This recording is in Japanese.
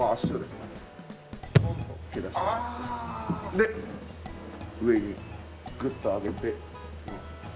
で上にグッと上げて。